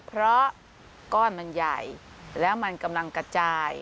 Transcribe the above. เพราะก้อนมันใหญ่แล้วมันกำลังกระจาย